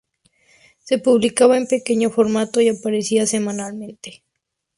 Se publicaba en pequeño formato y aparecía semanalmente.